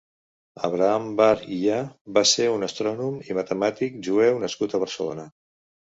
Abraham Bar Hiyya va ser un astrònom i matemàtic jueu nascut a Barcelona.